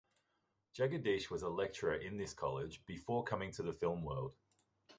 Jagadeesh was a lecturer in this college, before coming to the film world.